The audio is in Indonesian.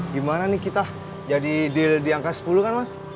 gimana nih kita jadi deal di angka sepuluh kan mas